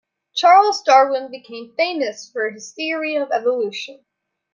Charles Darwin became famous for his theory of evolution.